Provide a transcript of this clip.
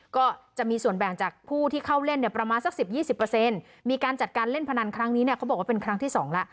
ก็จะมีส่วนแบ่งจากผู้ที่เข้าเล่นเนี่ยประมาณสัก๑๐๒๐มีการจัดการเล่นพนันครั้งนี้เนี่ยเขาบอกว่าเป็นครั้งที่๒แล้ว